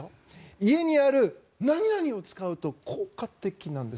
家にある○○を使うと効果的なんです。